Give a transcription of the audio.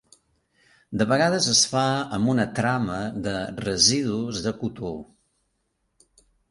De vegades es fa amb una trama de residus de cotó.